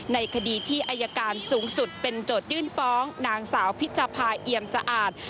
ในคดีที่อายการสูงสุดเป็นโจทยื่นฟ้องนางสาวพิชภาเอียมสะอาด